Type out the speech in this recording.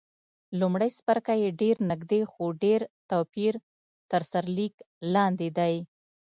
لومړی څپرکی یې ډېر نږدې، خو ډېر توپیر تر سرلیک لاندې دی.